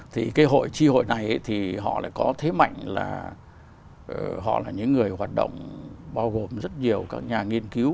thì cái hội tri hội này thì họ lại có thế mạnh là họ là những người hoạt động bao gồm rất nhiều các nhà nghiên cứu